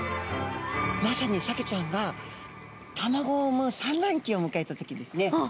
まさにサケちゃんが卵を産むさんらんきをむかえた時ですね。